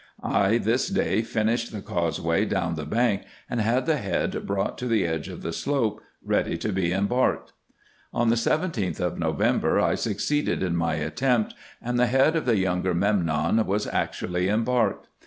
I this day finished the causeway down the bank, and had the head brought to the edge of the slope, ready to be embarked. On the 17th of November, I succeeded in my attempt, and the head of the younger Memnon was actually embarked.